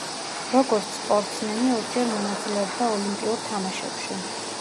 როგორც სპორტსმენი ორჯერ მონაწილეობდა ოლიმპიურ თამაშებში.